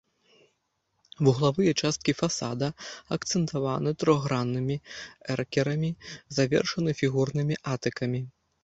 Вуглавыя часткі фасада акцэнтаваны трохграннымі эркерамі, завершаны фігурнымі атыкамі.